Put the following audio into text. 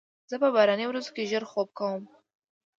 زه په باراني ورځو کې ژر خوب کوم.